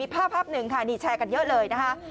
ภาพหนึ่งค่ะนี่แชร์กันเยอะเลยนะคะ